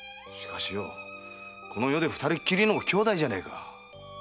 しかしよこの世で二人きりの兄妹じゃねえか。